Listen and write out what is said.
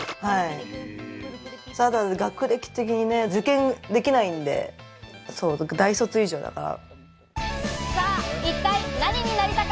学歴的に受験できないんで、大卒以上だから。